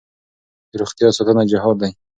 د روغتیا ساتنه جهاد دی.